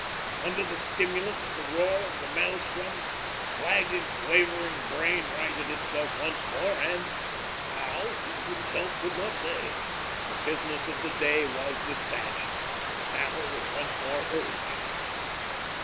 Under the stimulus of the roar of the maelstrom, the flagging, wavering brain righted itself once more, and how, he himself could not say the business of the day was despatched, the battle was once more urged.